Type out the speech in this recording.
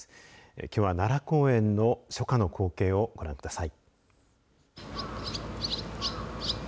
きょうは奈良公園の初夏の光景をご覧ください。